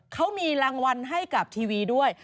เขามีรางวัลให้กับทีวีด้วย